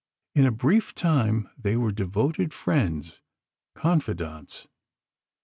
In a brief time, they were devoted friends, confidantes.